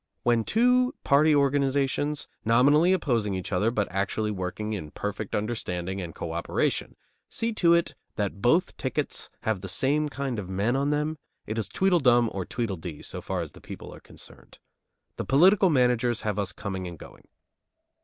When two party organizations, nominally opposing each other but actually working in perfect understanding and co operation, see to it that both tickets have the same kind of men on them, it is Tweedledum or Tweedledee, so far as the people are concerned; the political managers have us coming and going.